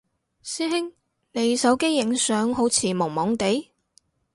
師兄你手機影相好似朦朦哋？